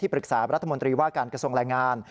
ปรึกษารัฐมนตรีว่าการกระทรวงแรงงาน